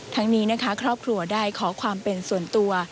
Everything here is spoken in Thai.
ทั้งนี้นะคะครอบครัวได้ขอความเป็นส่วนตัว